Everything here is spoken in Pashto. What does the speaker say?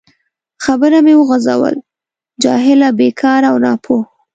خبره مې وغځول: جاهله، بیکاره او ناپوه.